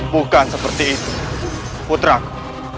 bukan seperti itu puteraku